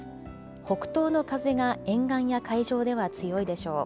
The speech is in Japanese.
北東の風が沿岸や海上では強いでしょう。